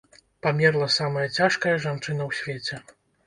Памерла самая цяжкая жанчына ў свеце.